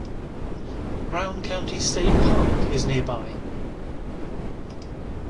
Brown County State Park is nearby.